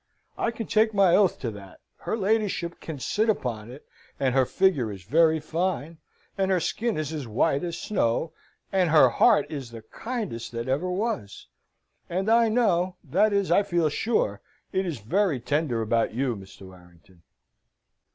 I can take my oath to that. Her ladyship can sit upon it; and her figure is very fine; and her skin is as white as snow; and her heart is the kindest that ever was; and I know, that is I feel sure, it is very tender about you, Mr. Warrington."